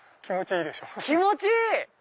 気持ちいい！